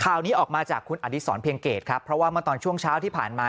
นี้ออกมาจากคุณอดีศรเพียงเกตครับเพราะว่าเมื่อตอนช่วงเช้าที่ผ่านมา